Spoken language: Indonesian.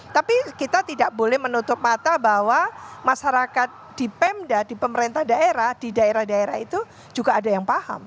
tapi kita tidak boleh menutup mata bahwa masyarakat di pemda di pemerintah daerah di daerah daerah itu juga ada yang paham